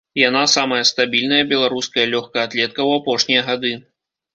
Яна самая стабільная беларуская лёгкаатлетка ў апошнія гады.